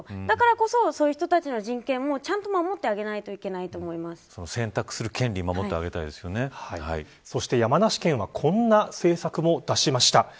だからこそ、そういう人たちの人権も、ちゃんと守って選択する権利をそして、山梨県はこんな政策も出しました。